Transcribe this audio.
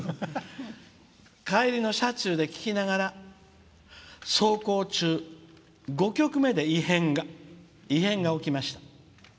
帰りの車中で聴きながら走行中、５曲目で異変が起きました。